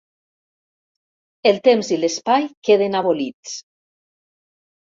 El temps i l'espai queden abolits.